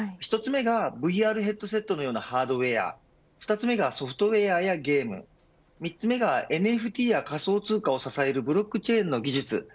１つ目はＶＲヘッドセットのようなハードウエア２つ目はソフトウエアやゲーム３つ目がＮＦＴや仮想通貨を支えるブロックチェーンの技術。